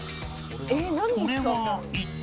これは一体？